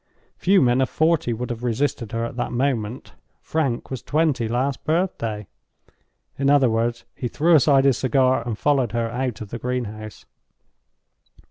Few men of forty would have resisted her at that moment. Frank was twenty last birthday. In other words, he threw aside his cigar, and followed her out of the greenhouse.